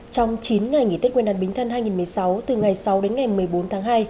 trong chín ngày nghỉ tết nguyên đán bính thân hai nghìn một mươi sáu từ ngày sáu đến ngày một mươi bốn tháng hai